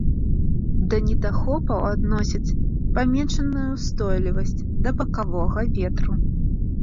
Да недахопаў адносяць паменшаную ўстойлівасць да бакавога ветру.